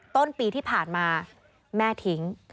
ต้นปีที่ผ่านมาแม่ทิ้ง